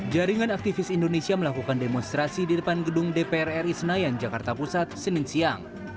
jaringan aktivis indonesia melakukan demonstrasi di depan gedung dpr ri senayan jakarta pusat senin siang